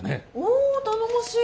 お頼もしい！